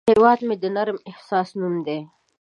هیواد مې د نرم احساس نوم دی